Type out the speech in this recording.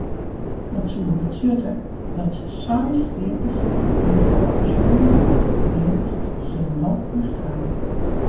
Dat soe betsjutte dat se seis steatesitten oerhâlde soenen wylst se no acht hawwe.